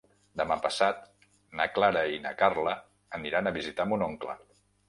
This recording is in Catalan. Demà passat na Clara i na Carla aniran a visitar mon oncle.